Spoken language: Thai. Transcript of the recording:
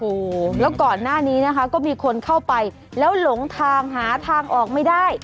โอ้โหแล้วก่อนหน้านี้นะคะก็มีคนเข้าไปแล้วหลงทางหาทางออกไม่ได้